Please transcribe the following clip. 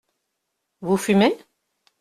Vous fumez ?